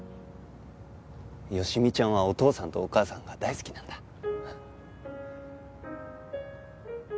好美ちゃんはお父さんとお母さんが大好きなんだ？